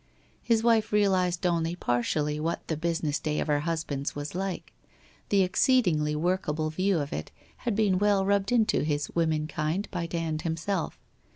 His wife realized only partially what the business day of her husband's was like. The exceedingly workable view of it had been well rubbed into his women kind by Dand himself.